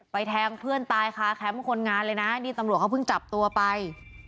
แทงเพื่อนตายคาแคมป์คนงานเลยนะนี่ตำรวจเขาเพิ่งจับตัวไป